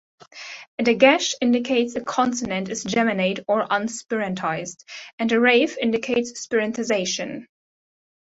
A "dagesh" indicates a consonant is geminate or unspirantized, and a "raphe" indicates spirantization.